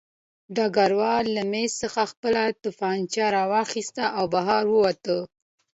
ډګروال له مېز څخه خپله توپانچه راواخیسته او بهر ووت